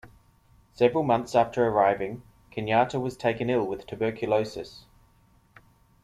Several months after arriving, Kenyatta was taken ill with tuberculosis.